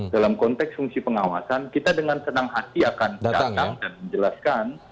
dalam konteks fungsi pengawasan kita dengan senang hati akan datang dan menjelaskan